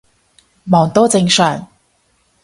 忙都正常